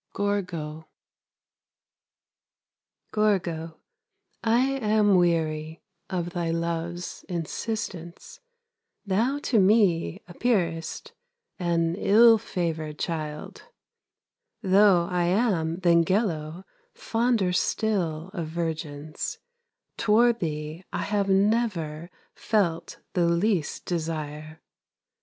GORGO Gorgo, I am weary Of thy love's insistence, Thou to me appearest An ill favored child. Though I am than Gello Fonder still of virgins, Toward thee I have never Felt the least desire.